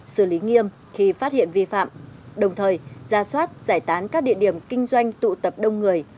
xử lý nghiêm khi phát hiện vi phạm đồng thời ra soát giải tán các địa điểm kinh doanh tụ tập đông người